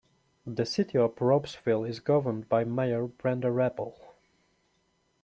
The city of Ropesville is governed by Mayor Brenda Rabel.